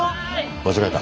間違えた？